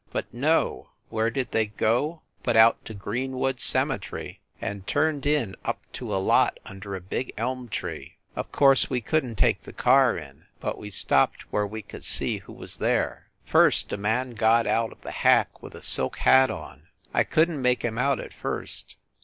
But no, where did they go but out to Greenwood Cemetery, and turned in up to a lot under a big elm tree. Of course we couldn t take the car in, but we stopped where we could see who was there. First 182 FIND THE WOMAN a man got out of the hack with a silk hat on; I couldn t make him out, at first.